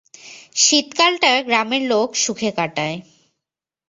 শীতকালটা গ্রামের লোক সুখে কাটায়।